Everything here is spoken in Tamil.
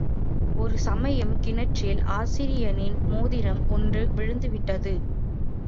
ஒரு சமயம் கிணற்றில் ஆசிரியனின் மோதிரம் ஒன்று விழுந்து விட்டது.